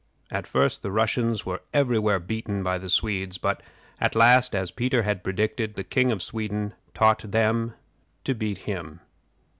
At first the Russians were every where beaten by the Swedes; but at last, as Peter had predicted, the King of Sweden taught them to beat him.